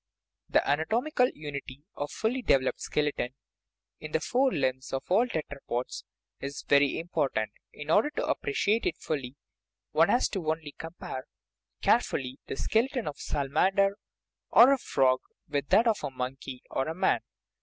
The anatomical unity of the fully developed skeleton in the four limbs of all tetrapods is very important. In order to appreciate it fully one has only to compare caref ulty the skeleton of a salamander or a frog with that of a monkey or a man.